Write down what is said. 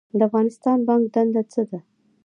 د افغانستان بانک دنده څه ده؟